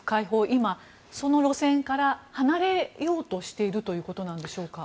今、その路線から離れようとしているということなんでしょうか。